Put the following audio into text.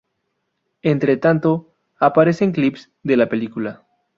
Entre tanto, aparecen clips de la película.